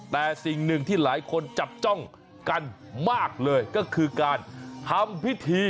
แต่สิ่งหนึ่งที่หลายคนจับจ้องกันมากเลยก็คือการทำพิธี